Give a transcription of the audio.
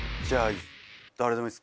じゃあ鰻。